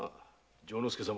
丈之介様。